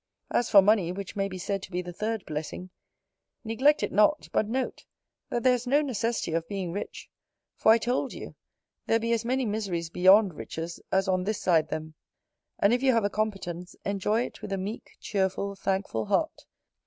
As for money, which may be said to be the third blessing, neglect it not: but note, that there is no necessity of being rich; for I told you, there be as many miseries beyond riches as on this side them: and if you have a competence, enjoy it with a meek, cheerful, thankful heart.